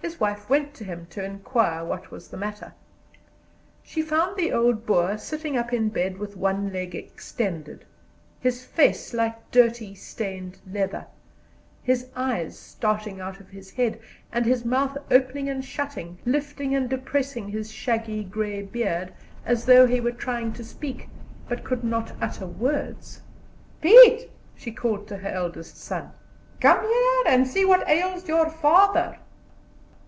His wife went to him to inquire what was the matter. She found the old Boer sitting up in bed with one leg extended, his face like dirty stained leather, his eyes starting out of his head, and his mouth opening and shutting, lifting and depressing his shaggy, grey beard, as though he were trying to speak, but could not utter words. "Pete!" she called to her eldest son, "come here, and see what ails your father."